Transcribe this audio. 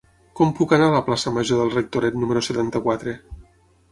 Com puc anar a la plaça Major del Rectoret número setanta-quatre?